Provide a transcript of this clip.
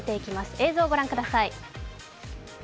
映像を御覧ください。